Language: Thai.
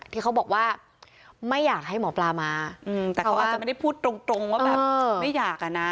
ที่เขาบอกว่าไม่อยากให้หมอปลามาแต่เขาอาจจะไม่ได้พูดตรงว่าแบบไม่อยากอะนะ